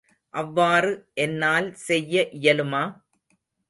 அவ்வாறு என்னால் செய்ய இயலுமா?